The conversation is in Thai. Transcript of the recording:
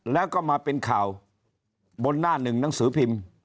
แล้วก็มาเป็นข่าวบนหน้าหนึ่งหนังสือพิมพ์